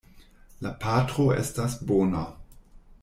La patro estas bona.